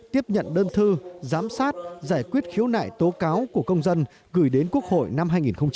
tiếp nhận đơn thư giám sát giải quyết khiếu nại tố cáo của công dân gửi đến quốc hội năm hai nghìn hai mươi